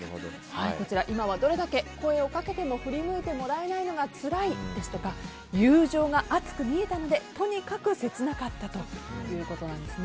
こちら今はどれだけ声をかけても振り向いてもらえないのがつらいですとか友情が熱く見えたのでとにかく切なかったということなんです。